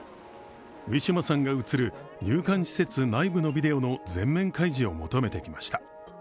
ウィシュマさんが映る入管施設内部のビデオの全面開示を求めてきました。